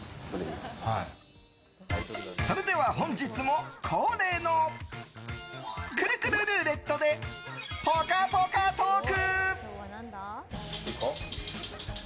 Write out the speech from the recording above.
それでは本日も恒例のくるくるルーレットでぽかぽかトーク！